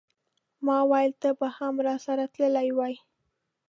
ماویل ته به هم راسره تللی وای.